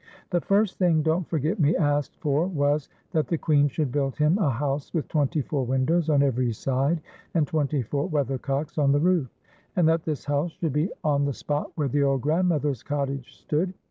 The first thing Don't Forget !Me asked for was, that the Queen should build him a house with twent)' four windows on every side, and twenty four weather cocks on the roof, and that this house should be on the spot where the old grandmother's cottage stood.